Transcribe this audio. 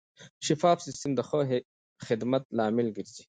شفاف سیستم د ښه خدمت لامل ګرځي.